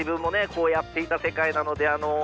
こうやっていた世界なのであの。